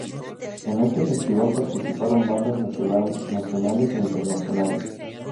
En ese festival participaron bandas nacionales e internacionales.